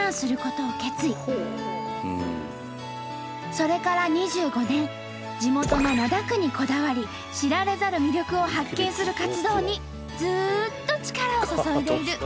それから２５年地元の灘区にこだわり知られざる魅力を発見する活動にずっと力を注いでいる。